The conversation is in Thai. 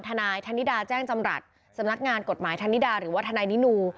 ฐทแจ้งจำรัฐสงกฎหมายทหรือว่าทนินู